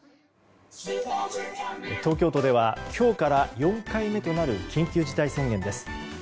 東京都では今日から４回目となる緊急事態宣言です。